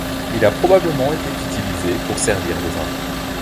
Il a probablement été utilisé pour servir le vin.